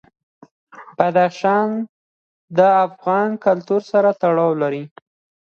بدخشان د افغان کلتور سره تړاو لري.